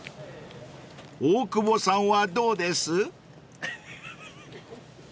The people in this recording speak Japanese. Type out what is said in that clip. ［大久保さんはどうです？］